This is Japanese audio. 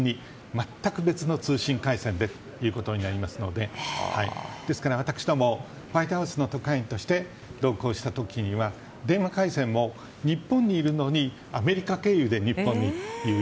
全く別の通信回線でとなるのでですから私共、ホワイトハウスの特派員として同行した時には電話回線も日本にいるのにアメリカ経由で日本にという。